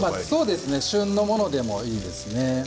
旬のものでもいいですね。